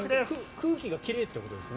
空気が奇麗ってことですよね。